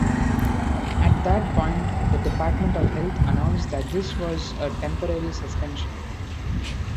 At that point the Department of Health announced that this was a temporary suspension.